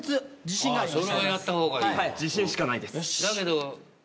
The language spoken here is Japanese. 自信しかないです。